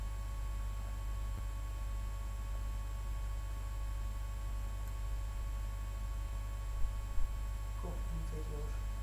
Al ponerse rígido ensancha el orificio torácico inferior.